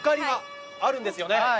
があるんですよね？